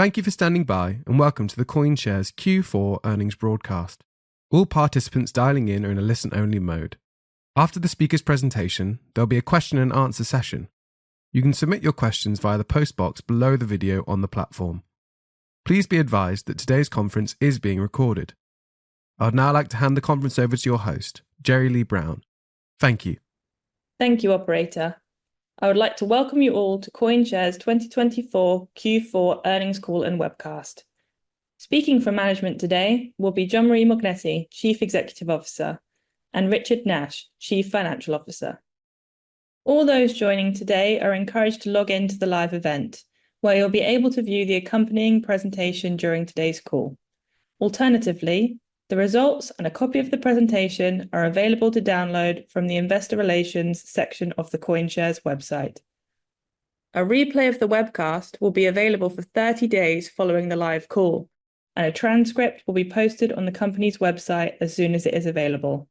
Thank you for standing by, and welcome to the CoinShares Q4 earnings broadcast. All participants dialing in are in a listen-only mode. After the speaker's presentation, there'll be a question-and-answer session. You can submit your questions via the postbox below the video on the platform. Please be advised that today's conference is being recorded. I'd now like to hand the conference over to your host, Jeri-Lea Brown. Thank you. Thank you, Operator. I would like to welcome you all to CoinShares 2024 Q4 earnings call and webcast. Speaking from management today will be Jean-Marie Mognetti, Chief Executive Officer, and Richard Nash, Chief Financial Officer. All those joining today are encouraged to log in to the live event, where you'll be able to view the accompanying presentation during today's call. Alternatively, the results and a copy of the presentation are available to download from the Investor Relations section of the CoinShares website. A replay of the webcast will be available for 30 days following the live call, and a transcript will be posted on the company's website as soon as it is available.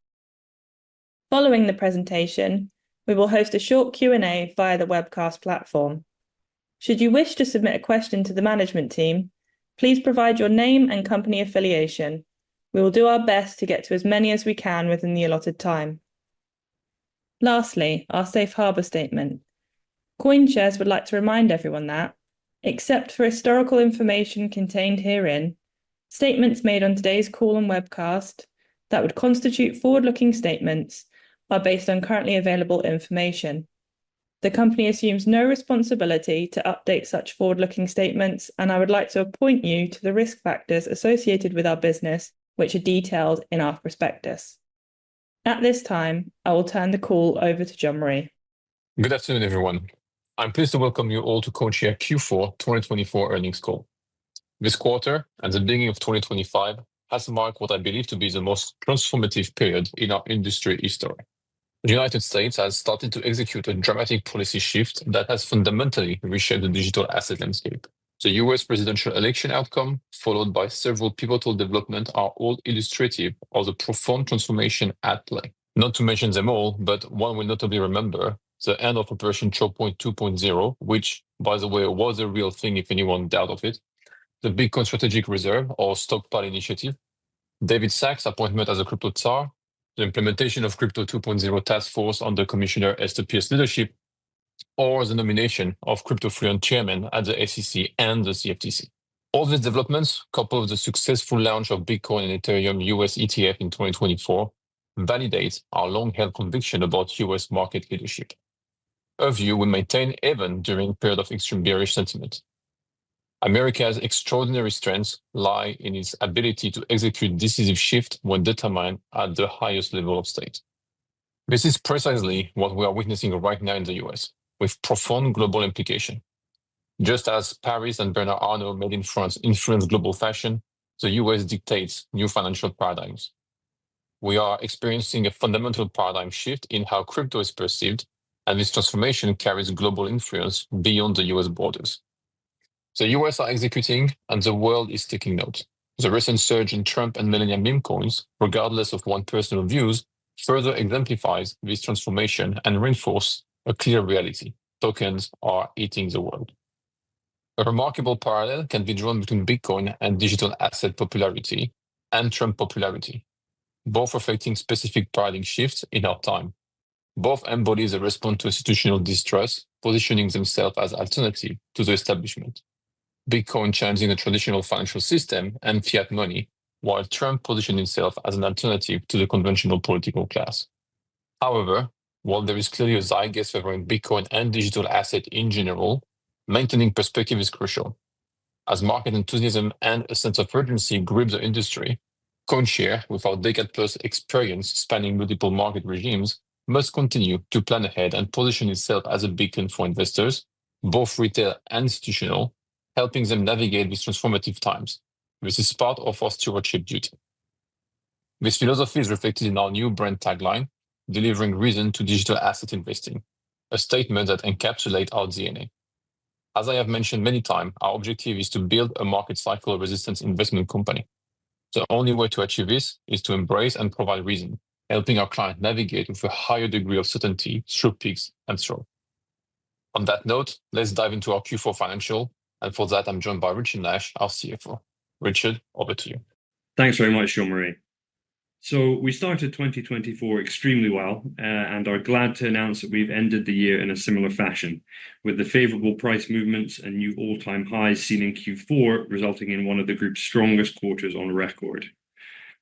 Following the presentation, we will host a short Q&A via the webcast platform. Should you wish to submit a question to the management team, please provide your name and company affiliation. We will do our best to get to as many as we can within the allotted time. Lastly, our safe harbor statement. CoinShares would like to remind everyone that, except for historical information contained herein, statements made on today's call and webcast that would constitute forward-looking statements are based on currently available information. The company assumes no responsibility to update such forward-looking statements, and I would like to point you to the risk factors associated with our business, which are detailed in our prospectus. At this time, I will turn the call over to Jean-Marie Mognetti. Good afternoon, everyone. I'm pleased to welcome you all to CoinShares Q4 2024 earnings call. This quarter, and the beginning of 2025, has marked what I believe to be the most transformative period in our industry history. The United States has started to execute a dramatic policy shift that has fundamentally reshaped the digital asset landscape. The U.S. presidential election outcome, followed by several pivotal developments, are all illustrative of the profound transformation at play. Not to mention them all, but one will notably remember the end of Operation Choke Point 2.0, which, by the way, was a real thing if anyone doubted it. The Bitcoin Strategic Reserve, or stockpile Initiative, David Sacks' appointment as a crypto tsar, the implementation of the Crypto 2.0 Task Force under Commissioner Hester Peirce's leadership, or the nomination of crypto-friendly Chairman at the SEC and the CFTC. All these developments, coupled with the successful launch of Bitcoin and Ethereum U.S. ETF in 2024, validate our long-held conviction about U.S. market leadership. Our view will maintain even during a period of extreme bearish sentiment. America's extraordinary strengths lie in its ability to execute decisive shifts when determined at the highest level of state. This is precisely what we are witnessing right now in the U.S., with profound global implications. Just as Paris and Bernard Arnault made in France influence global fashion, the U.S. dictates new financial paradigms. We are experiencing a fundamental paradigm shift in how crypto is perceived, and this transformation carries global influence beyond the U.S. borders. The U.S. is executing, and the world is taking note. The recent surge in Trump and Melania meme coins, regardless of one's personal views, further exemplifies this transformation and reinforces a clear reality: tokens are eating the world. A remarkable parallel can be drawn between Bitcoin and digital asset popularity and Trump popularity, both reflecting specific paradigm shifts in our time. Both embody the response to institutional distrust, positioning themselves as an alternative to the establishment. Bitcoin challenging the traditional financial system and fiat money, while Trump positioning himself as an alternative to the conventional political class. However, while there is clearly a zeitgeist favoring Bitcoin and digital assets in general, maintaining perspective is crucial. As market enthusiasm and a sense of urgency grip the industry, CoinShares, with our decade-plus experience spanning multiple market regimes, must continue to plan ahead and position itself as a beacon for investors, both retail and institutional, helping them navigate these transformative times. This is part of our stewardship duty. This philosophy is reflected in our new brand tagline, "Delivering Reason to Digital Asset Investing," a statement that encapsulates our DNA. As I have mentioned many times, our objective is to build a market-cycle-resistant investment company. The only way to achieve this is to embrace and provide reason, helping our clients navigate with a higher degree of certainty through peaks and troughs. On that note, let's dive into our Q4 financials, and for that, I'm joined by Richard Nash, our CFO. Richard, over to you. Thanks very much, Jean-Marie. So we started 2024 extremely well and are glad to announce that we've ended the year in a similar fashion, with the favorable price movements and new all-time highs seen in Q4 resulting in one of the group's strongest quarters on record.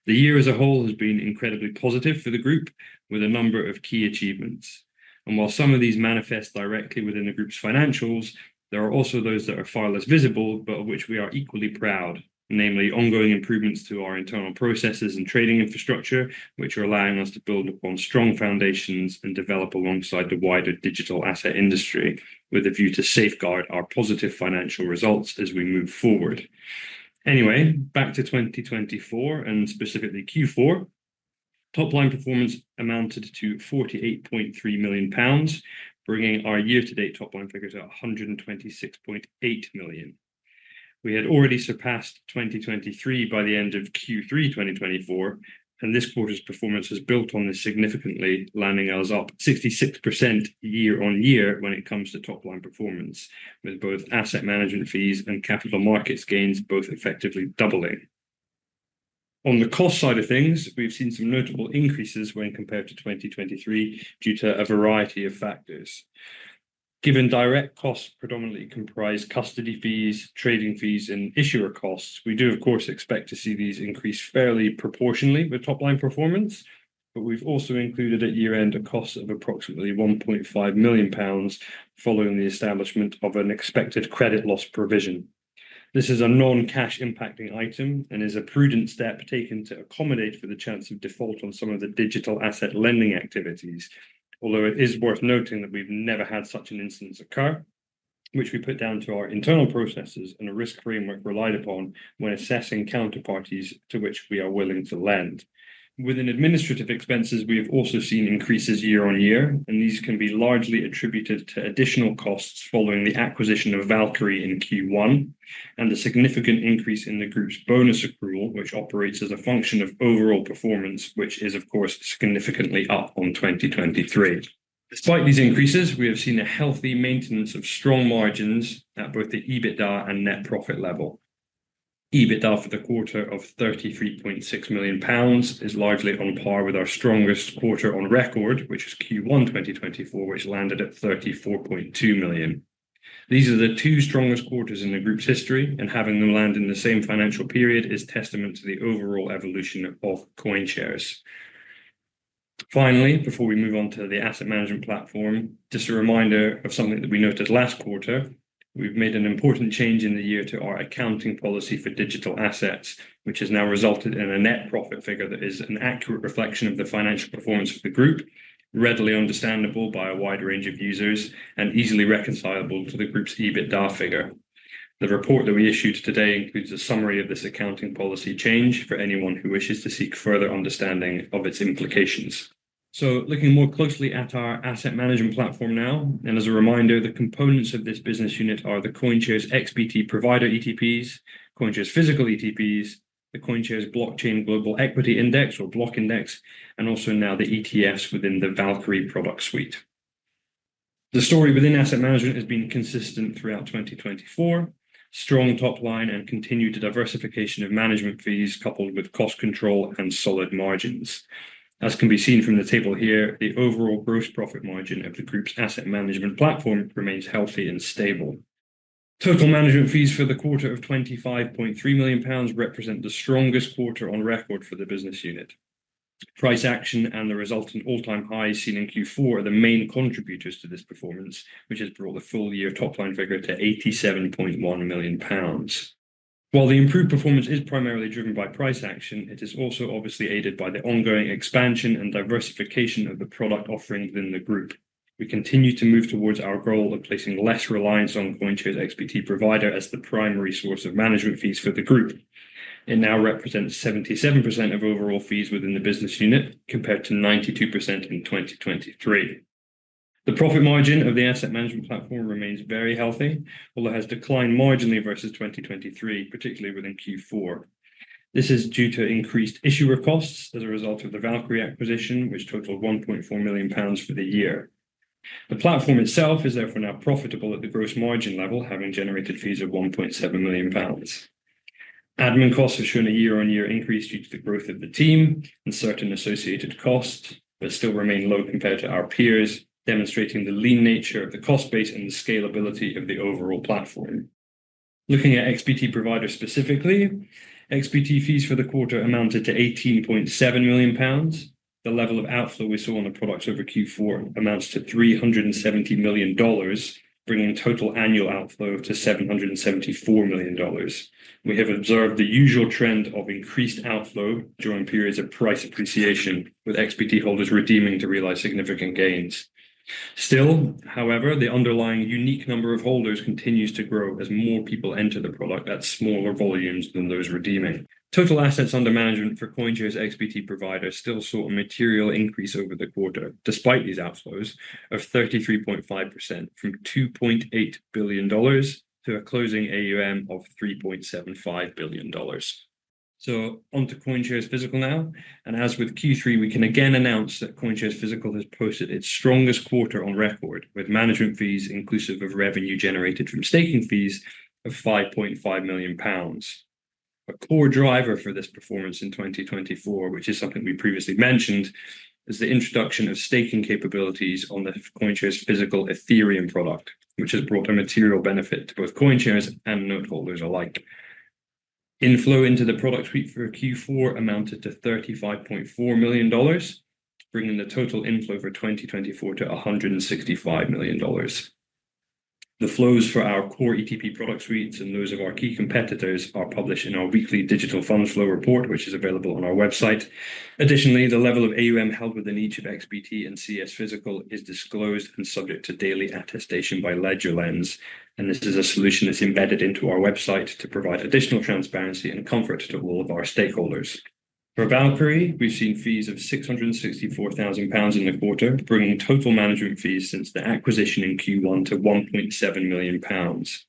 The year as a whole has been incredibly positive for the group, with a number of key achievements. And while some of these manifest directly within the group's financials, there are also those that are far less visible, but of which we are equally proud, namely ongoing improvements to our internal processes and trading infrastructure, which are allowing us to build upon strong foundations and develop alongside the wider digital asset industry with a view to safeguard our positive financial results as we move forward. Anyway, back to 2024 and specifically Q4. Top-line performance amounted to 48.3 million pounds, bringing our year-to-date top-line figures at 126.8 million. We had already surpassed 2023 by the end of Q3 2024, and this quarter's performance has built on this significantly, landing us up 66% year-on-year when it comes to top-line performance, with both asset management fees and capital markets gains both effectively doubling. On the cost side of things, we've seen some notable increases when compared to 2023 due to a variety of factors. Given direct costs predominantly comprise custody fees, trading fees, and issuer costs, we do, of course, expect to see these increase fairly proportionally with top-line performance, but we've also included at year-end a cost of approximately 1.5 million pounds following the establishment of an expected credit loss provision. This is a non-cash impacting item and is a prudent step taken to accommodate for the chance of default on some of the digital asset lending activities, although it is worth noting that we've never had such an incidence occur, which we put down to our internal processes and a risk framework relied upon when assessing counterparties to which we are willing to lend. Within administrative expenses, we have also seen increases year-on-year, and these can be largely attributed to additional costs following the acquisition of Valkyrie in Q1 and a significant increase in the group's bonus accrual, which operates as a function of overall performance, which is, of course, significantly up on 2023. Despite these increases, we have seen a healthy maintenance of strong margins at both the EBITDA and net profit level. EBITDA for the quarter of 33.6 million pounds is largely on par with our strongest quarter on record, which is Q1 2024, which landed at 34.2 million. These are the two strongest quarters in the group's history, and having them land in the same financial period is testament to the overall evolution of CoinShares. Finally, before we move on to the asset management platform, just a reminder of something that we noted last quarter. We've made an important change in the year to our accounting policy for digital assets, which has now resulted in a net profit figure that is an accurate reflection of the financial performance of the group, readily understandable by a wide range of users, and easily reconcilable to the group's EBITDA figure. The report that we issued today includes a summary of this accounting policy change for anyone who wishes to seek further understanding of its implications. So, looking more closely at our asset management platform now, and as a reminder, the components of this business unit are the CoinShares XBT Provider ETPs, CoinShares Physical ETPs, the CoinShares Blockchain Global Equity Index, or Block Index, and also now the ETFs within the Valkyrie product suite. The story within asset management has been consistent throughout 2024: strong top-line and continued diversification of management fees coupled with cost control and solid margins. As can be seen from the table here, the overall gross profit margin of the group's asset management platform remains healthy and stable. Total management fees for the quarter of 25.3 million pounds represent the strongest quarter on record for the business unit. Price action and the resultant all-time highs seen in Q4 are the main contributors to this performance, which has brought the full-year top-line figure to 87.1 million pounds. While the improved performance is primarily driven by price action, it is also obviously aided by the ongoing expansion and diversification of the product offering within the group. We continue to move towards our goal of placing less reliance on CoinShares XBT Provider as the primary source of management fees for the group. It now represents 77% of overall fees within the business unit, compared to 92% in 2023. The profit margin of the asset management platform remains very healthy, although it has declined marginally versus 2023, particularly within Q4. This is due to increased issuer costs as a result of the Valkyrie acquisition, which totaled 1.4 million pounds for the year. The platform itself is therefore now profitable at the gross margin level, having generated fees of 1.7 million pounds. Admin costs have shown a year-on-year increase due to the growth of the team and certain associated costs, but still remain low compared to our peers, demonstrating the lean nature of the cost base and the scalability of the overall platform. Looking at XBT provider specifically, XBT fees for the quarter amounted to 18.7 million pounds. The level of outflow we saw on the products over Q4 amounts to $370 million, bringing total annual outflow to $774 million. We have observed the usual trend of increased outflow during periods of price appreciation, with XBT holders redeeming to realize significant gains. Still, however, the underlying unique number of holders continues to grow as more people enter the product at smaller volumes than those redeeming. Total assets under management for CoinShares XBT Provider still saw a material increase over the quarter, despite these outflows of 33.5% from $2.8 billion to a closing AUM of $3.75 billion. So, on to CoinShares Physical now, and as with Q3, we can again announce that CoinShares Physical has posted its strongest quarter on record, with management fees inclusive of revenue generated from staking fees of 5.5 million pounds. A core driver for this performance in 2024, which is something we previously mentioned, is the introduction of staking capabilities on the CoinShares Physical Ethereum product, which has brought a material benefit to both CoinShares and noteholders alike. Inflow into the product suite for Q4 amounted to $35.4 million, bringing the total inflow for 2024 to $165 million. The flows for our core ETP product suites and those of our key competitors are published in our weekly digital funds flow report, which is available on our website. Additionally, the level of AUM held within each of XBT and CS Physical is disclosed and subject to daily attestation by LedgerLens, and this is a solution that's embedded into our website to provide additional transparency and comfort to all of our stakeholders. For Valkyrie, we've seen fees of 664,000 pounds in the quarter, bringing total management fees since the acquisition in Q1 to 1.7 million pounds.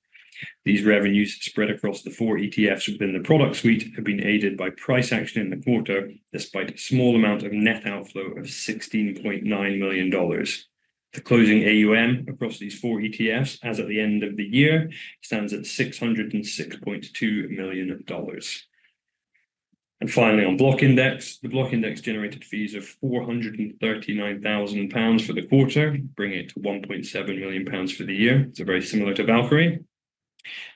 These revenues, spread across the four ETFs within the product suite, have been aided by price action in the quarter, despite a small amount of net outflow of $16.9 million. The closing AUM across these four ETFs, as at the end of the year, stands at $606.2 million. Finally, on Block Index, the Block Index generated fees of 439,000 pounds for the quarter, bringing it to 1.7 million pounds for the year. It's very similar to Valkyrie.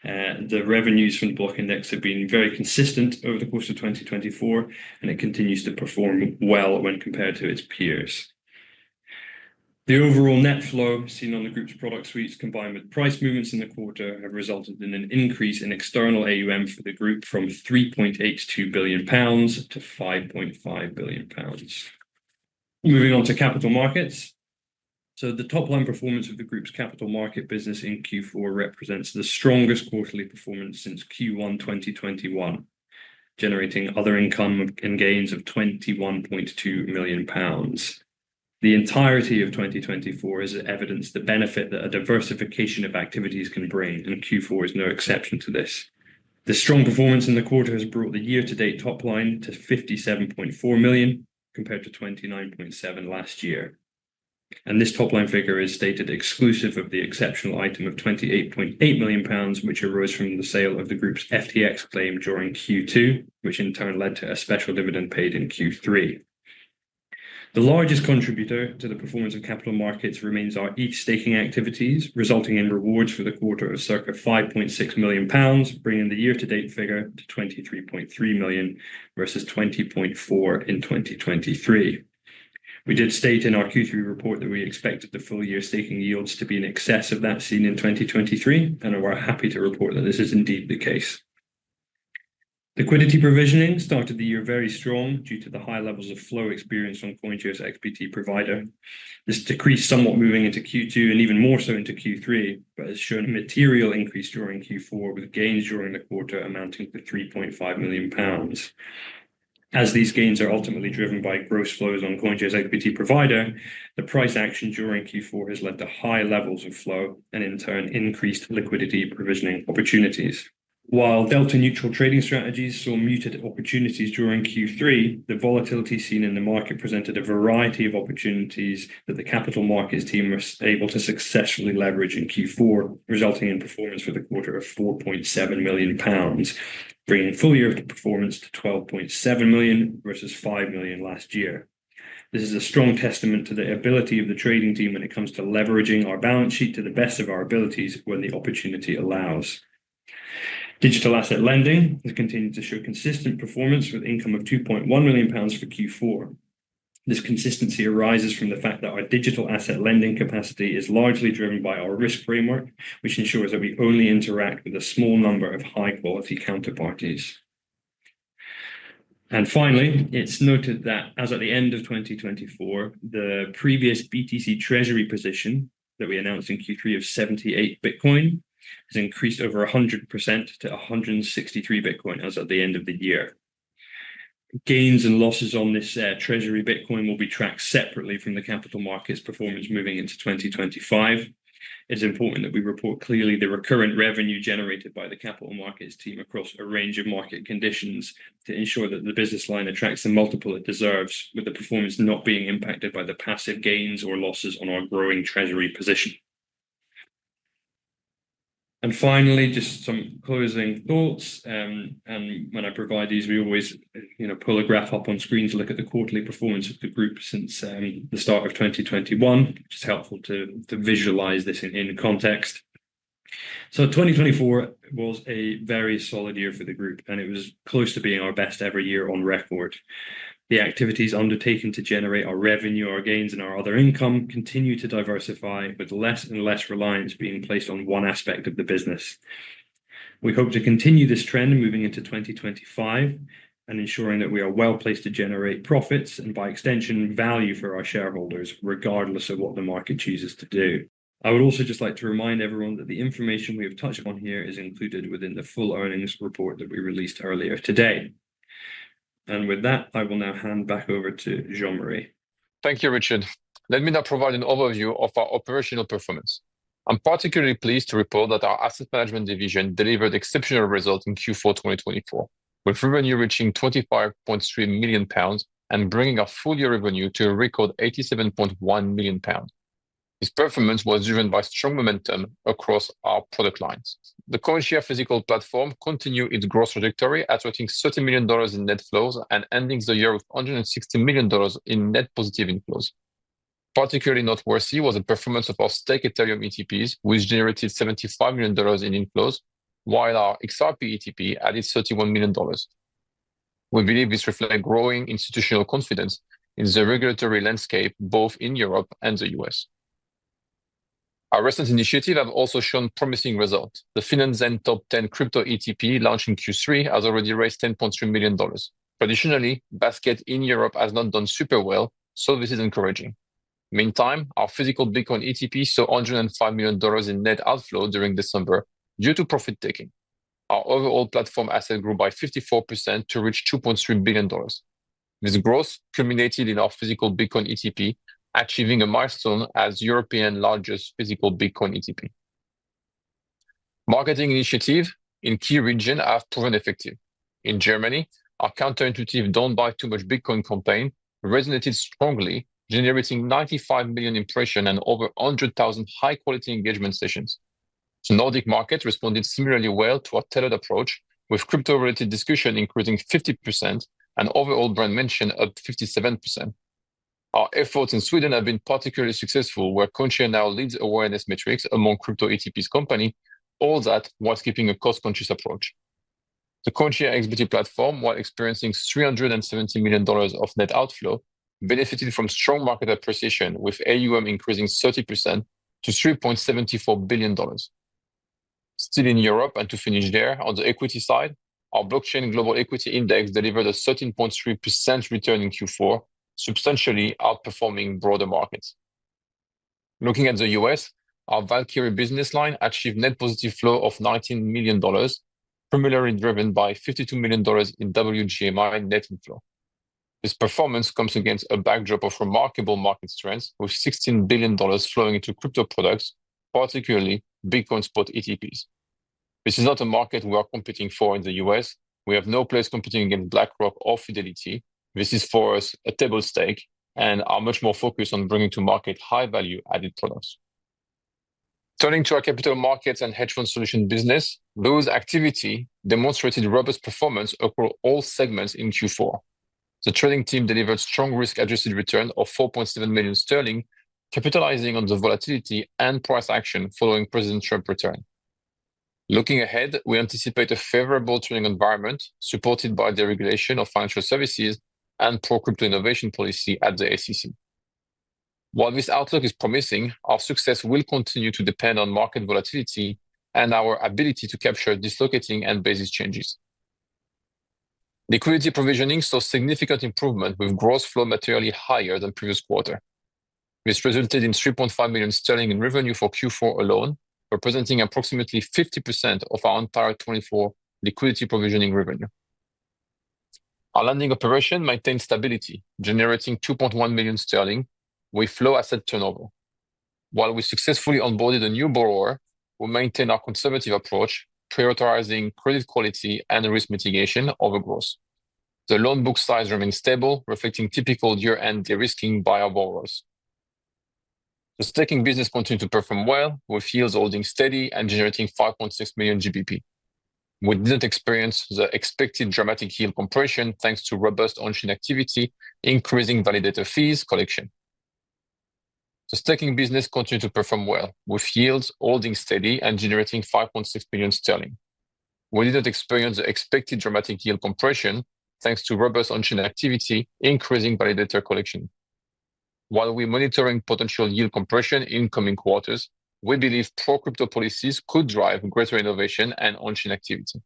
The revenues from the Block Index have been very consistent over the course of 2024, and it continues to perform well when compared to its peers. The overall net flow seen on the group's product suites, combined with price movements in the quarter, has resulted in an increase in external AUM for the group from 3.82 billion pounds to 5.5 billion pounds. Moving on to capital markets. The top-line performance of the group's capital market business in Q4 represents the strongest quarterly performance since Q1 2021, generating other income and gains of 21.2 million pounds. The entirety of 2024 is evidence of the benefit that a diversification of activities can bring, and Q4 is no exception to this. The strong performance in the quarter has brought the year-to-date top line to 57.4 million, compared to 29.7 million last year. And this top-line figure is stated exclusive of the exceptional item of 28.8 million pounds, which arose from the sale of the group's FTX claim during Q2, which in turn led to a special dividend paid in Q3. The largest contributor to the performance of capital markets remains our ETH staking activities, resulting in rewards for the quarter of circa 5.6 million pounds, bringing the year-to-date figure to 23.3 million versus 20.4 million in 2023. We did state in our Q3 report that we expected the full-year staking yields to be in excess of that seen in 2023, and we're happy to report that this is indeed the case. Liquidity provisioning started the year very strong due to the high levels of flow experienced on CoinShares XBT Provider. This decreased somewhat moving into Q2 and even more so into Q3, but has shown a material increase during Q4, with gains during the quarter amounting to 3.5 million pounds. As these gains are ultimately driven by gross flows on CoinShares XBT Provider, the price action during Q4 has led to high levels of flow and in turn increased liquidity provisioning opportunities. While delta-neutral trading strategies saw muted opportunities during Q3, the volatility seen in the market presented a variety of opportunities that the capital markets team was able to successfully leverage in Q4, resulting in performance for the quarter of 4.7 million pounds, bringing full-year performance to 12.7 million versus 5 million last year. This is a strong testament to the ability of the trading team when it comes to leveraging our balance sheet to the best of our abilities when the opportunity allows. Digital asset lending has continued to show consistent performance with income of 2.1 million pounds for Q4. This consistency arises from the fact that our digital asset lending capacity is largely driven by our risk framework, which ensures that we only interact with a small number of high-quality counterparties. Finally, it's noted that as at the end of 2024, the previous BTC treasury position that we announced in Q3 of 78 Bitcoin has increased over 100% to 163 Bitcoin as at the end of the year. Gains and losses on this treasury Bitcoin will be tracked separately from the capital markets performance moving into 2025. It's important that we report clearly the recurrent revenue generated by the capital markets team across a range of market conditions to ensure that the business line attracts the multiple it deserves, with the performance not being impacted by the passive gains or losses on our growing treasury position. And finally, just some closing thoughts. And when I provide these, we always, you know, pull a graph up on screens to look at the quarterly performance of the group since the start of 2021, which is helpful to visualize this in context. So, 2024 was a very solid year for the group, and it was close to being our best ever year on record. The activities undertaken to generate our revenue, our gains, and our other income continue to diversify, with less and less reliance being placed on one aspect of the business. We hope to continue this trend moving into 2025 and ensuring that we are well placed to generate profits and, by extension, value for our shareholders, regardless of what the market chooses to do. I would also just like to remind everyone that the information we have touched upon here is included within the full earnings report that we released earlier today. And with that, I will now hand back over to Jean-Marie. Thank you, Richard. Let me now provide an overview of our operational performance. I'm particularly pleased to report that our asset management division delivered exceptional results in Q4 2024, with revenue reaching 25.3 million pounds and bringing our full-year revenue to a record 87.1 million pounds. This performance was driven by strong momentum across our product lines. The CoinShares Physical platform continued its growth trajectory, attracting $30 million in net flows and ending the year with $160 million in net positive inflows. Particularly noteworthy was the performance of our staking Ethereum ETPs, which generated $75 million in inflows, while our XRP ETP added $31 million. We believe this reflects growing institutional confidence in the regulatory landscape, both in Europe and the U.S. Our recent initiatives have also shown promising results. The Finanzen.net Top 10 Crypto ETP, launched in Q3, has already raised $10.3 million. Traditionally, baskets in Europe have not done super well, so this is encouraging. Meanwhile, our physical Bitcoin ETP saw $105 million in net outflow during December due to profit taking. Our overall platform assets grew by 54% to reach $2.3 billion. This growth culminated in our physical Bitcoin ETP, achieving a milestone as Europe's largest physical Bitcoin ETP. Marketing initiatives in key regions have proven effective. In Germany, our counterintuitive "Don't buy too much Bitcoin" campaign resonated strongly, generating 95 million impressions and over 100,000 high-quality engagement sessions. The Nordic market responded similarly well to our tailored approach, with crypto-related discussions increasing 50% and overall brand mention up 57%. Our efforts in Sweden have been particularly successful, where CoinShares now leads awareness metrics among crypto ETP companies, all that while keeping a cost-conscious approach. The CoinShares XBT platform, while experiencing $370 million of net outflow, benefited from strong market appreciation, with AUM increasing 30% to $3.74 billion. Still in Europe, and to finish there, on the equity side, our Blockchain Global Equity Index delivered a 13.3% return in Q4, substantially outperforming broader markets. Looking at the U.S., our Valkyrie business line achieved net positive flow of $19 million, primarily driven by $52 million in WGMI net inflow. This performance comes against a backdrop of remarkable market strength, with $16 billion flowing into crypto products, particularly Bitcoin spot ETPs. This is not a market we are competing for in the U.S. We have no place competing against BlackRock or Fidelity. This is, for us, a table stake, and are much more focused on bringing to market high-value added products. Turning to our capital markets and hedge fund solution business, our activity demonstrated robust performance across all segments in Q4. The trading team delivered strong risk-adjusted returns of 4.7 million sterling, capitalizing on the volatility and price action following President Trump's return. Looking ahead, we anticipate a favorable trading environment, supported by the regulation of financial services and pro-crypto innovation policy at the SEC. While this outlook is promising, our success will continue to depend on market volatility and our ability to capture dislocating and basis changes. Liquidity provisioning saw significant improvement, with gross flow materially higher than previous quarter. This resulted in 3.5 million sterling in revenue for Q4 alone, representing approximately 50% of our entire 2024 liquidity provisioning revenue. Our lending operation maintained stability, generating 2.1 million sterling with flow asset turnover. While we successfully onboarded a new borrower, we maintained our conservative approach, prioritizing credit quality and risk mitigation over growth. The loan book size remained stable, reflecting typical year-end de-risking by our borrowers. The staking business continued to perform well, with yields holding steady and generating 5.6 million sterling. We didn't experience the expected dramatic yield compression, thanks to robust on-chain activity, increasing validator fees collection. While we are monitoring potential yield compression in incoming quarters, we believe pro-crypto policies could drive greater innovation and on-chain activity.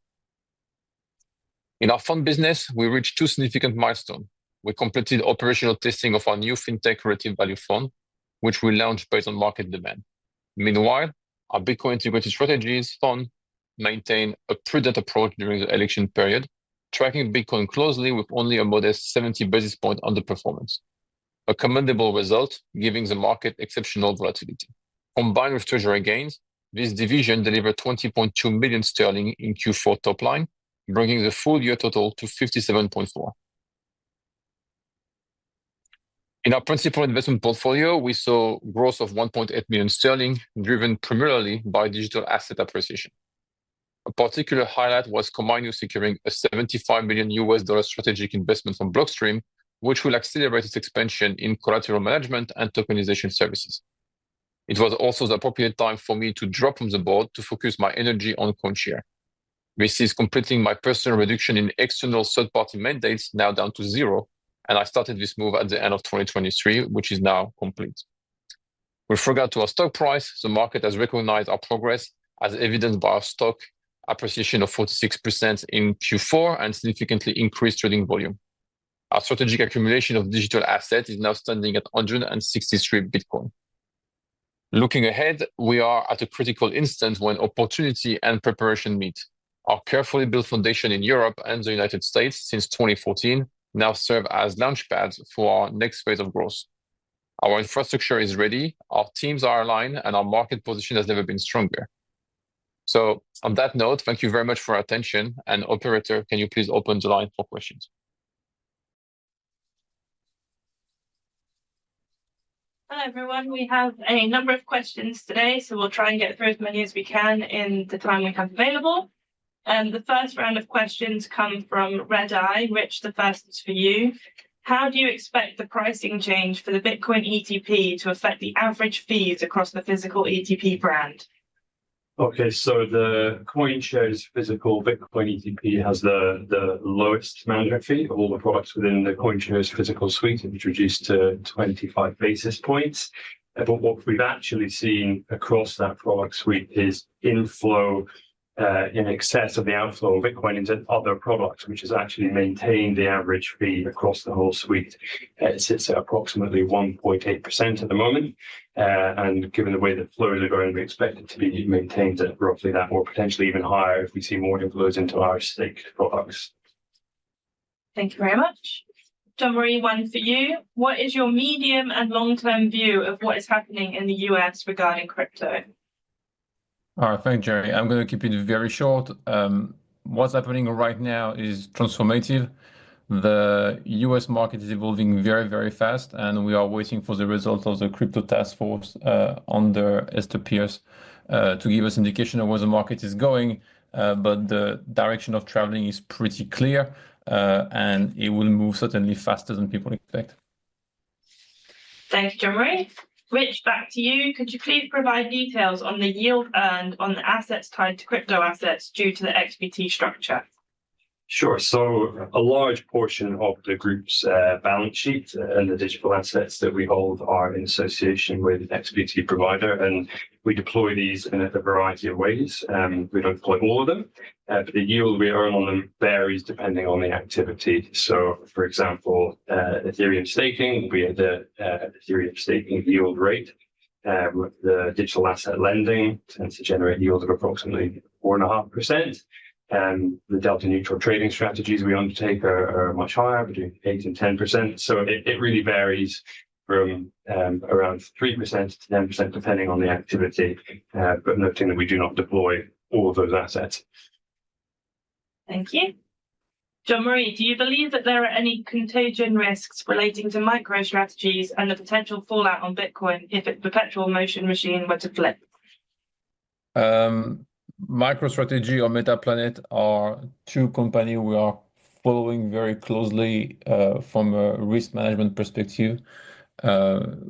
In our fund business, we reached two significant milestones. We completed operational testing of our new Fintech Credit Value Fund, which we launched based on market demand. Meanwhile, our Bitcoin Integrated Strategies Fund maintained a prudent approach during the election period, tracking Bitcoin closely with only a modest 70 basis points underperformance. A commendable result, given the market exceptional volatility. Combined with treasury gains, this division delivered 20.2 million sterling in Q4 top line, bringing the full-year total to 57.4 million. In our principal investment portfolio, we saw growth of 1.8 million sterling driven primarily by digital asset appreciation. A particular highlight was Komainu securing a $75 million USD strategic investment from Blockstream, which will accelerate its expansion in collateral management and tokenization services. It was also the appropriate time for me to drop from the board to focus my energy on CoinShares. This is completing my personal reduction in external third-party mandates, now down to zero, and I started this move at the end of 2023, which is now complete. With regard to our stock price, the market has recognized our progress, as evidenced by our stock appreciation of 46% in Q4 and significantly increased trading volume. Our strategic accumulation of digital assets is now standing at 163 Bitcoin. Looking ahead, we are at a critical instance when opportunity and preparation meet. Our carefully built foundation in Europe and the United States since 2014 now serve as launchpads for our next phase of growth. Our infrastructure is ready, our teams are aligned, and our market position has never been stronger. So, on that note, thank you very much for your attention, and Operator, can you please open the line for questions? Hello everyone. We have a number of questions today, so we'll try and get through as many as we can in the time we have available. And the first round of questions come from Redeye, Rich, the first is for you. How do you expect the pricing change for the Bitcoin ETP to affect the average fees across the physical ETP brand? Okay, so the CoinShares Physical Bitcoin ETP has the lowest management fee of all the products within the CoinShares Physical suite, which reduced to 25 basis points. But what we've actually seen across that product suite is inflow in excess of the outflow of Bitcoin into other products, which has actually maintained the average fee across the whole suite. It sits at approximately 1.8% at the moment, and given the way that flows are going, we expect it to be maintained at roughly that, or potentially even higher if we see more inflows into our stake products. Thank you very much. Jean-Marie, one for you. What is your medium and long-term view of what is happening in the U.S. regarding crypto? All right, thank you, Jeri. I'm going to keep it very short. What's happening right now is transformative. The U.S. market is evolving very, very fast, and we are waiting for the results of the crypto task force under Hester Peirce to give us an indication of where the market is going. But the direction of traveling is pretty clear, and it will move certainly faster than people expect. Thank you, Jean-Marie. Rich, back to you. Could you please provide details on the yield earned on the assets tied to crypto assets due to the XBT structure? Sure. So, a large portion of the group's balance sheet and the digital assets that we hold are in association with an XBT provider, and we deploy these in a variety of ways. We don't deploy all of them, but the yield we earn on them varies depending on the activity. So, for example, Ethereum staking, we had an Ethereum staking yield rate. The digital asset lending tends to generate yields of approximately 4.5%. The delta-neutral trading strategies we undertake are much higher, between 8% and 10%. So, it really varies from around 3%-10% depending on the activity, but we do not deploy all of those assets. Thank you. Jean-Marie, do you believe that there are any contagion risks relating to MicroStrategy and the potential fallout on Bitcoin if its perpetual motion machine were to flip? MicroStrategy or Metaplanet are two companies we are following very closely from a risk management perspective.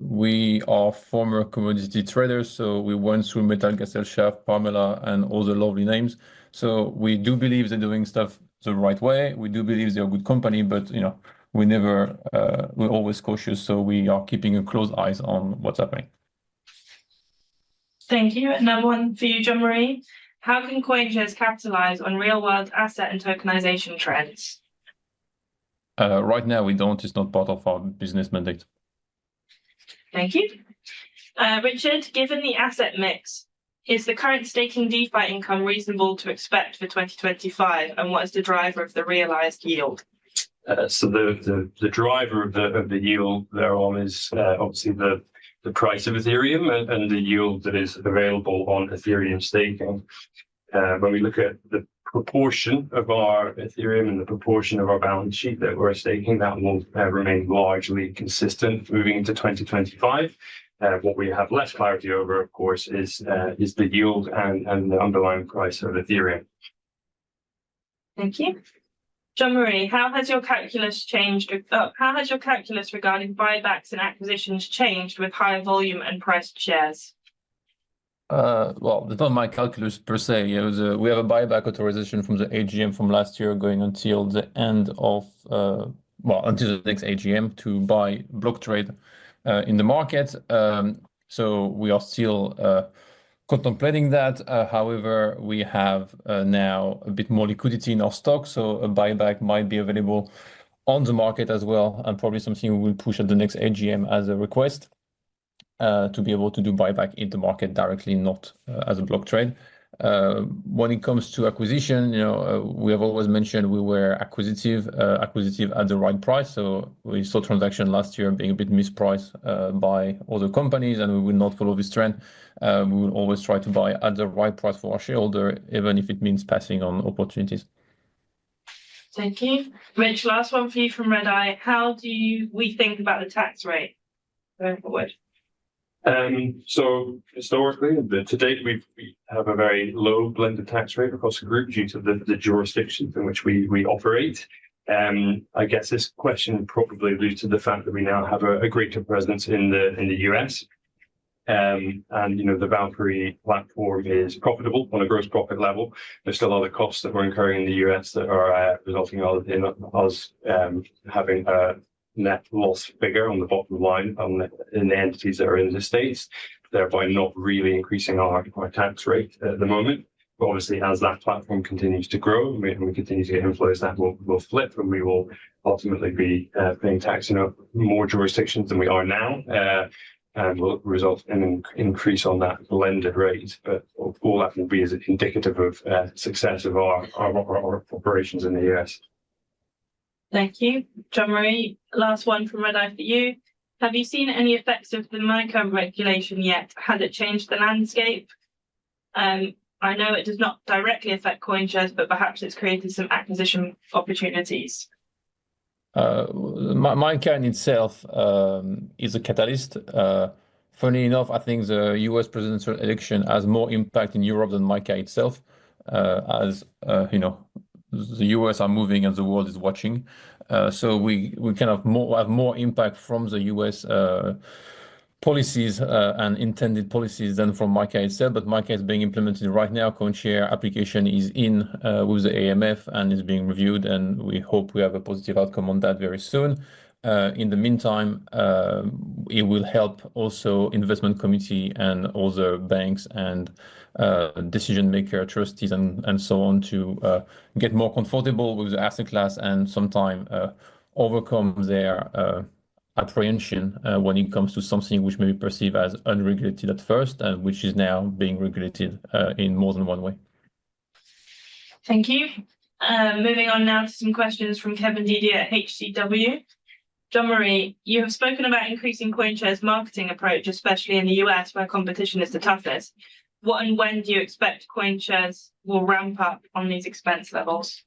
We are former commodity traders, so we went through Metallgesellschaft, Parmalat, and all the lovely names. So, we do believe they're doing stuff the right way. We do believe they're a good company, but you know we never, we're always cautious, so we are keeping a close eye on what's happening. Thank you. Another one for you, Jean-Marie. How can CoinShares capitalize on real-world asset and tokenization trends? Right now, we don't. It's not part of our business mandate. Thank you. Richard, given the asset mix, is the current staking DeFi income reasonable to expect for 2025, and what is the driver of the realized yield? So, the driver of the yield there on is obviously the price of Ethereum and the yield that is available on Ethereum staking. When we look at the proportion of our Ethereum and the proportion of our balance sheet that we're staking, that will remain largely consistent moving into 2025. What we have less clarity over, of course, is the yield and the underlying price of Ethereum. Thank you. Jean-Marie, how has your calculus changed? How has your calculus regarding buybacks and acquisitions changed with higher volume and priced shares? Well, it's not my calculus per se. We have a buyback authorization from the AGM from last year going until the end of, well, until the next AGM to buy block trade in the market. So, we are still contemplating that. However, we have now a bit more liquidity in our stock, so a buyback might be available on the market as well, and probably something we will push at the next AGM as a request to be able to do buyback in the market directly, not as a block trade. When it comes to acquisition, you know we have always mentioned we were acquisitive at the right price. So, we saw transactions last year being a bit mispriced by other companies, and we will not follow this trend. We will always try to buy at the right price for our shareholder, even if it means passing on opportunities. Thank you. Rich, last one for you from Redeye. How do we think about the tax rate going forward? So, historically, to date, we have a very low blended tax rate across the group due to the jurisdictions in which we operate. I guess this question probably alludes to the fact that we now have a greater presence in the U.S., and you know the Valkyrie platform is profitable on a gross profit level. There's still other costs that we're incurring in the U.S. that are resulting in us having a net loss figure on the bottom line in the entities that are in the states, thereby not really increasing our tax rate at the moment. But obviously, as that platform continues to grow and we continue to get inflows, that will flip, and we will ultimately be paying tax in more jurisdictions than we are now, and will result in an increase on that blended rate. But all that will be as indicative of the success of our operations in the U.S. Thank you. Jean-Marie, last one from Redeye for you. Have you seen any effects of the MiCA regulation yet? Has it changed the landscape? I know it does not directly affect CoinShares, but perhaps it's created some acquisition opportunities. MiCA itself is a catalyst. Funnily enough, I think the U.S. presidential election has more impact in Europe than MiCA itself, as you know the U.S. are moving and the world is watching. So, we kind of have more impact from the US policies and intended policies than from MiCA itself. But MiCA is being implemented right now. CoinShares application is in with the AMF and is being reviewed, and we hope we have a positive outcome on that very soon. In the meantime, it will help also the investment committee and other banks and decision-maker trustees and so on to get more comfortable with the asset class and sometime overcome their apprehension when it comes to something which may be perceived as unregulated at first and which is now being regulated in more than one way. Thank you. Moving on now to some questions from Kevin Dede at HCW. Jean-Marie, you have spoken about increasing CoinShares's marketing approach, especially in the U.S. where competition is the toughest. What and when do you expect CoinShares will ramp up on these expense levels?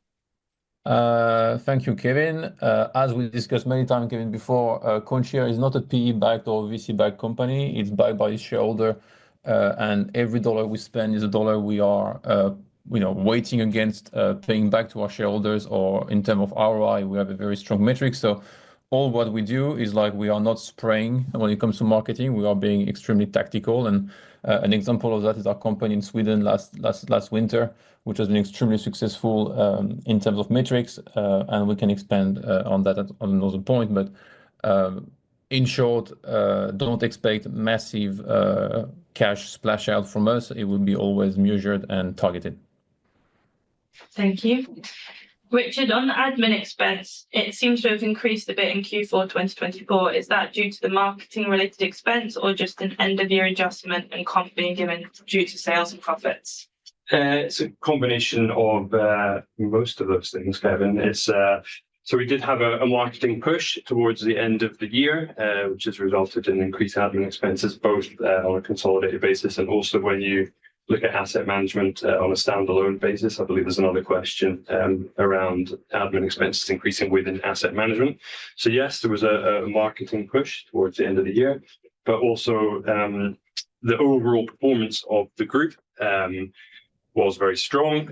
Thank you, Kevin. As we discussed many times, Kevin, before, CoinShares is not a PE-backed or VC-backed company. It's backed by its shareholder, and every dollar we spend is a dollar we are weighing against paying back to our shareholders, or in terms of ROI, we have a very strong metric. So, all what we do is like we are not spraying when it comes to marketing. We are being extremely tactical, and an example of that is our campaign in Sweden last winter, which has been extremely successful in terms of metrics, and we can expand on that on another point. But in short, don't expect massive cash splash out from us. It will be always measured and targeted. Thank you. Richard, on admin expense, it seems to have increased a bit in Q4 2024. Is that due to the marketing-related expense or just an end-of-year adjustment and comp being given due to sales and profits? It's a combination of most of those things, Kevin. We did have a marketing push towards the end of the year, which has resulted in increased admin expenses both on a consolidated basis and also when you look at asset management on a standalone basis. I believe there's another question around admin expenses increasing within asset management. Yes, there was a marketing push towards the end of the year, but also the overall performance of the group was very strong.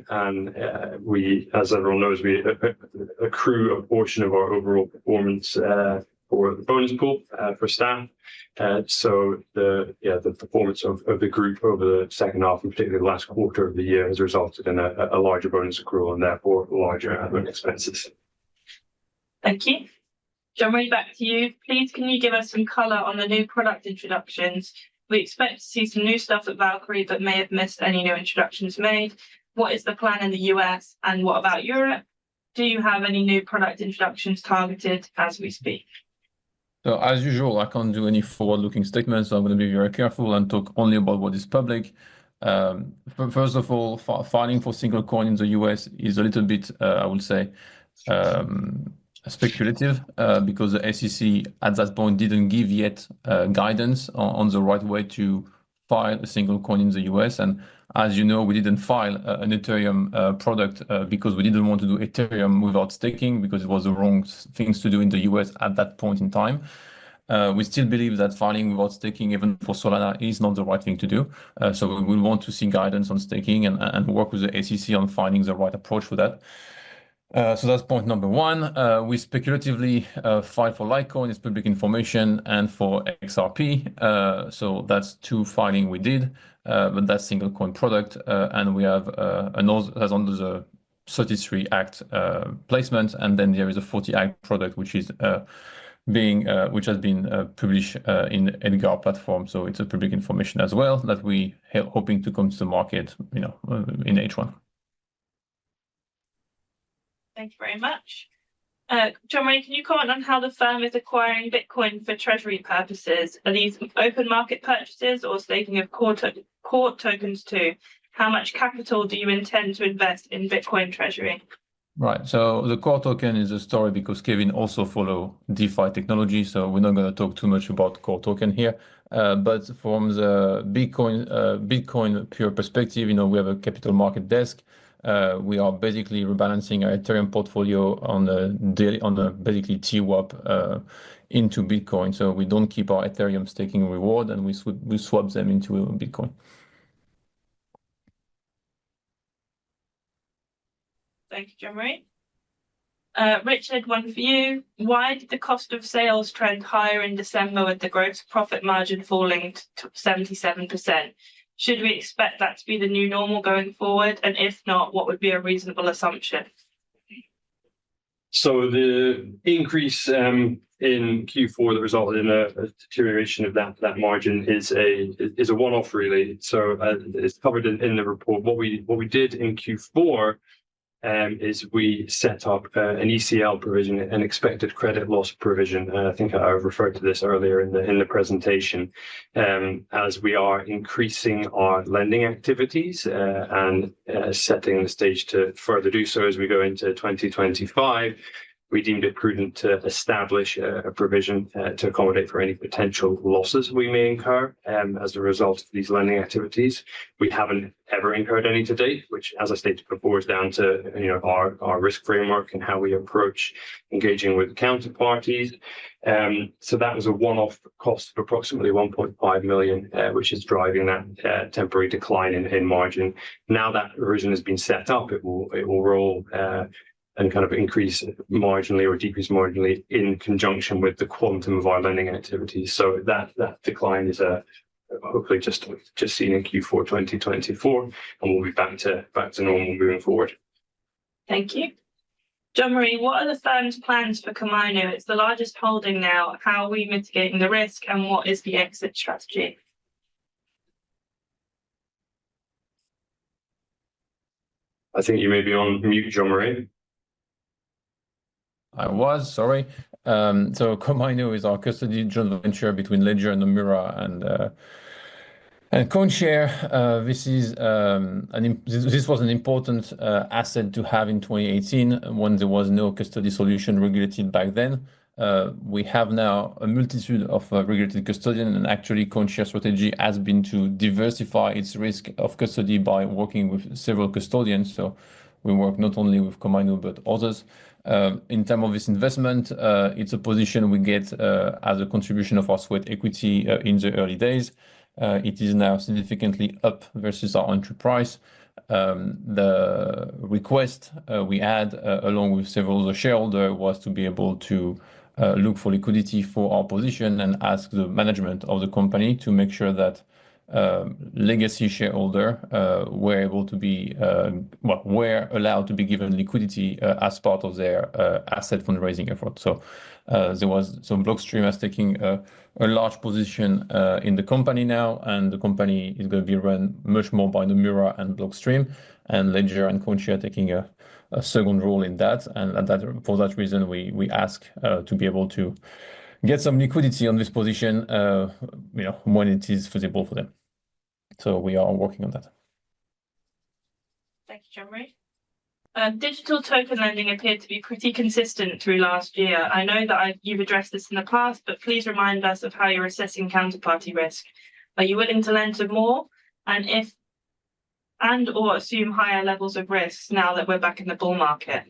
We, as everyone knows, we accrue a portion of our overall performance for the bonus pool for staff. The performance of the group over the second half, and particularly the last quarter of the year, has resulted in a larger bonus accrual and therefore larger admin expenses. Thank you. Jean-Marie, back to you. Please, can you give us some color on the new product introductions? We expect to see some new stuff at Valkyrie but may have missed any new introductions made. What is the plan in the U.S., and what about Europe? Do you have any new product introductions targeted as we speak? So, as usual, I can't do any forward-looking statements, so I'm going to be very careful and talk only about what is public. First of all, filing for single coin in the U.S. is a little bit, I would say, speculative because the SEC at that point didn't give yet guidance on the right way to file a single coin in the U.S., and as you know, we didn't file an Ethereum product because we didn't want to do Ethereum without staking because it was the wrong thing to do in the U.S. at that point in time. We still believe that filing without staking, even for Solana, is not the right thing to do. So, we will want to see guidance on staking and work with the SEC on finding the right approach for that. So, that's point number one. We speculatively filed for Litecoin as public information and for XRP. So, that's two filings we did, but that's a single coin product. And we have another that's under the 33 Act placement. And then there is a 40 Act product, which has been published in EDGAR platform. So, it's public information as well that we are hoping to come to the market, you know, in H1. Thank you very much. Jean-Marie, can you comment on how the firm is acquiring Bitcoin for treasury purposes? Are these open market purchases or staking of core tokens too? How much capital do you intend to invest in Bitcoin treasury? Right. The core token is a story because Kevin also follows DeFi Technologies. We're not going to talk too much about core token here. But from the Bitcoin pure perspective, you know, we have a capital market desk. We are basically rebalancing our Ethereum portfolio on the daily, on the basically TWAP into Bitcoin. So, we don't keep our Ethereum staking reward, and we swap them into Bitcoin. Thank you, Jean-Marie. Richard, one for you. Why did the cost of sales trend higher in December with the gross profit margin falling to 77%? Should we expect that to be the new normal going forward? And if not, what would be a reasonable assumption? The increase in Q4 that resulted in a deterioration of that margin is a one-off, really. It's covered in the report. What we did in Q4 is we set up an ECL provision, an expected credit loss provision, and I think I referred to this earlier in the presentation. As we are increasing our lending activities and setting the stage to further do so as we go into 2025, we deemed it prudent to establish a provision to accommodate for any potential losses we may incur as a result of these lending activities. We haven't ever incurred any to date, which, as I stated before, is down to our risk framework and how we approach engaging with counterparties, so that was a one-off cost of approximately 1.5 million, which is driving that temporary decline in margin. Now that provision has been set up, it will roll and kind of increase marginally or decrease marginally in conjunction with the quantum of our lending activity. So, that decline is hopefully just seen in Q4 2024, and we'll be back to normal moving forward. Thank you. Jean-Marie, what are the firm's plans for Komainu? It's the largest holding now. How are we mitigating the risk, and what is the exit strategy? I think you may be on mute, Jean-Marie. I was, sorry. So, Komainu is our custody joint venture between Ledger and Nomura, and CoinShares. This was an important asset to have in 2018 when there was no custody solution regulated back then. We have now a multitude of regulated custodians, and actually, CoinShares's strategy has been to diversify its risk of custody by working with several custodians. So, we work not only with Komainu but others. In terms of this investment, it's a position we get as a contribution of our sweat equity in the early days. It is now significantly up versus our entry price. The request we had, along with several other shareholders, was to be able to look for liquidity for our position and ask the management of the company to make sure that legacy shareholders were able to be, well, were allowed to be given liquidity as part of their asset fundraising effort. There was some Blockstream taking a large position in the company now, and the company is going to be run much more by Nomura and Blockstream, and Ledger and CoinShares taking a second role in that. For that reason, we ask to be able to get some liquidity on this position when it is feasible for them. We are working on that. Thank you, Jean-Marie. Digital token lending appeared to be pretty consistent through last year. I know that you've addressed this in the past, but please remind us of how you're assessing counterparty risk. Are you willing to lend to more and if and or assume higher levels of risk now that we're back in the bull market?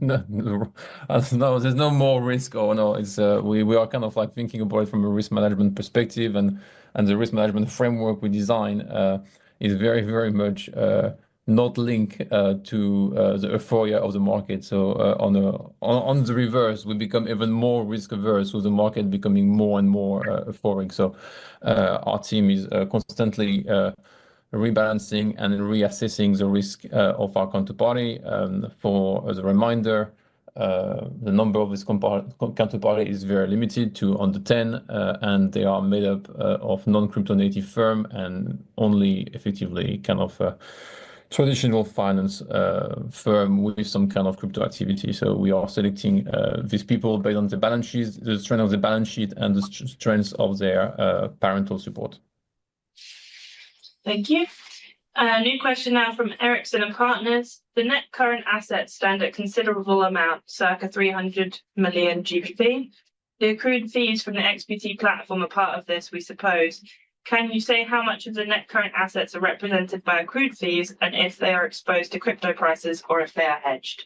No, there's no more risk or no. We are kind of like thinking about it from a risk management perspective, and the risk management framework we design is very, very much not linked to the euphoria of the market. So, on the reverse, we become even more risk averse with the market becoming more and more euphoric. So, our team is constantly rebalancing and reassessing the risk of our counterparty. For, as a reminder, the number of this counterparty is very limited to under 10, and they are made up of non-crypto native firm and only effectively kind of traditional finance firm with some kind of crypto activity. So, we are selecting these people based on the balance sheet, the strength of the balance sheet, and the strength of their parental support. Thank you. New question now from Erik Penser Bank. The net current assets stand at considerable amount, circa 300 million GBP. The accrued fees from the XBT platform are part of this, we suppose. Can you say how much of the net current assets are represented by accrued fees and if they are exposed to crypto prices or if they are hedge?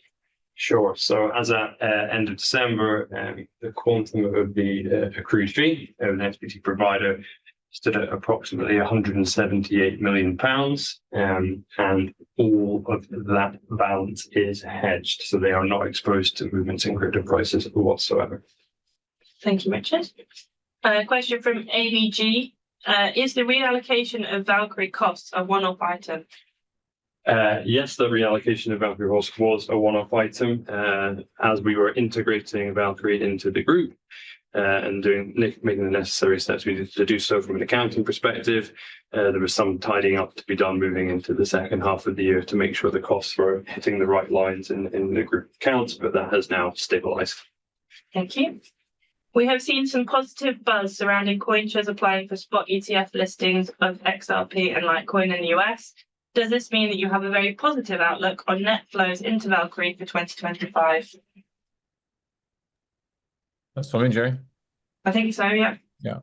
Sure. So, as of end of December, the quantum of the accrued fee of an XBT provider stood at approximately 178 million pounds, and all of that balance is hedged. So, they are not exposed to movements in crypto prices whatsoever. Thank you, Richard. Question from ABG. Is the reallocation of Valkyrie costs a one-off item? Yes, the reallocation of Valkyrie costs was a one-off item. As we were integrating Valkyrie into the group and making the necessary steps, we needed to do so from an accounting perspective. There was some tidying up to be done moving into the second half of the year to make sure the costs were hitting the right lines in the group accounts, but that has now stabilized. Thank you. We have seen some positive buzz surrounding CoinShares' applying for spot ETF listings of XRP and Litecoin in the U.S. Does this mean that you have a very positive outlook on net flows into Valkyrie for 2025? That's fine, Jeri I think so, yeah. Yeah.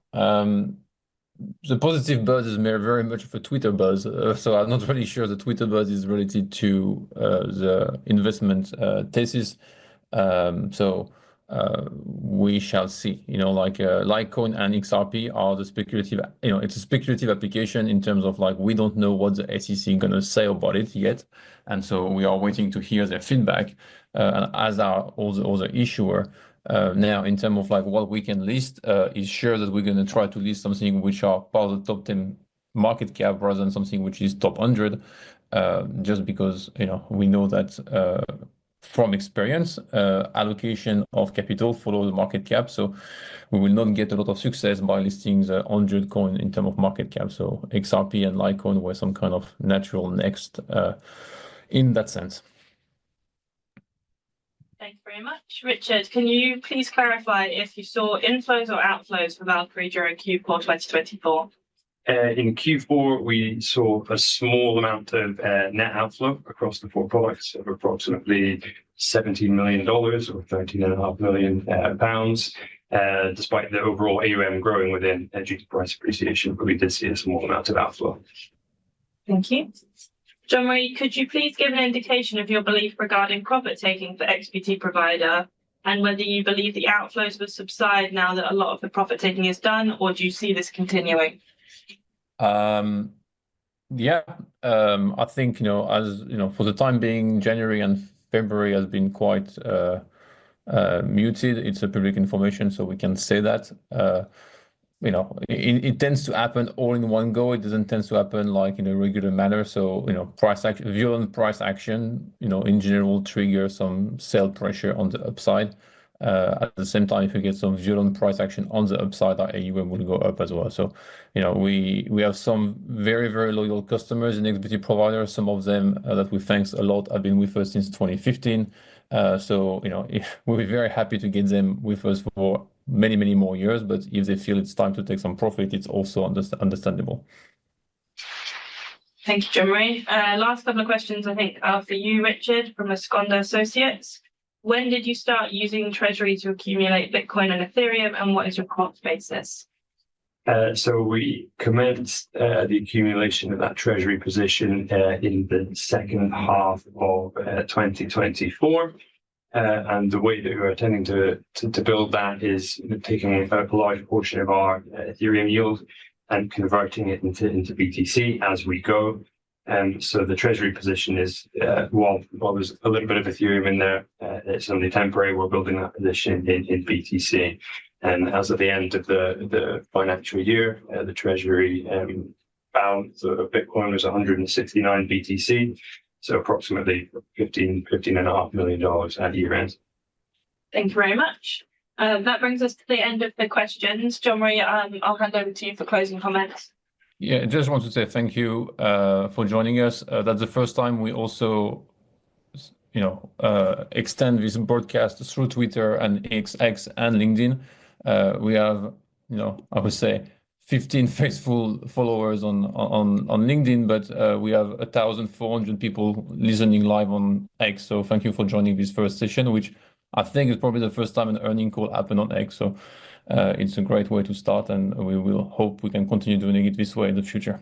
The positive buzz is very much of a Twitter buzz. So, I'm not really sure the Twitter buzz is related to the investment thesis. So, we shall see. You know, like Litecoin and XRP are the speculative, you know, it's a speculative application in terms of like we don't know what the SEC is going to say about it yet. And so, we are waiting to hear their feedback. And as our other issuer, now in terms of like what we can list, it's sure that we're going to try to list something which are part of the top 10 market cap rather than something which is top 100, just because, you know, we know that from experience, allocation of capital follows the market cap. We will not get a lot of success by listing the 100 coin in terms of market cap. XRP and Litecoin were some kind of natural next in that sense. Thank you very much. Richard, can you please clarify if you saw inflows or outflows for Valkyrie during Q4 2024? In Q4, we saw a small amount of net outflow across the four products of approximately $17 million or 13.5 million pounds, despite the overall AUM growing within due to price appreciation. But we did see a small amount of outflow. Thank you. Jean-Marie, could you please give an indication of your belief regarding profit taking for XBT Provider and whether you believe the outflows will subside now that a lot of the profit taking is done, or do you see this continuing? Yeah, I think, you know, as you know, for the time being, January and February has been quite muted. It's public information, so we can say that. You know, it tends to happen all in one go. It doesn't tend to happen like in a regular manner. So, you know, violent price action, you know, in general triggers some sell pressure on the upside. At the same time, if we get some violent price action on the upside, that AUM will go up as well. So, you know, we have some very, very loyal customers in XBT Provider. Some of them that we thanks a lot have been with us since 2015. So, you know, we're very happy to get them with us for many, many more years. But if they feel it's time to take some profit, it's also understandable. Thank you, Jean-Marie. Last couple of questions, I think, are for you, Richard, from Asconder Associates. When did you start using treasury to accumulate Bitcoin and Ethereum, and what is your cost basis? We commenced the accumulation of that treasury position in the second half of 2024. The way that we were intending to build that is taking a large portion of our Ethereum yield and converting it into BTC as we go. The treasury position is, while there's a little bit of Ethereum in there, it's only temporary. We're building that position in BTC. As of the end of the financial year, the treasury balance of Bitcoin was 169 BTC, so approximately $15 million-$15.5 million at year-end. Thank you very much. That brings us to the end of the questions. Jean-Marie, I'll hand over to you for closing comments. Yeah, I just want to say thank you for joining us. That's the first time we also, you know, extend this broadcast through Twitter and X and LinkedIn. We have, you know, I would say 15 faithful followers on LinkedIn, but we have 1,400 people listening live on X. So, thank you for joining this first session, which I think is probably the first time an earnings call happened on X. So, it's a great way to start, and we will hope we can continue doing it this way in the future.